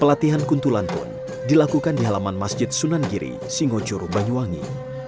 pelatihan kuntulan pun dilakukan di halaman masjid sunan giri singojuru banyuwangi